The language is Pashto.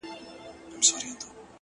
نو گراني تاته په ښكاره نن داخبره كوم’